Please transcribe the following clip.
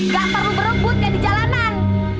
gak perlu berebutnya di jalanan